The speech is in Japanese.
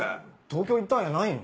東京行ったんやないん？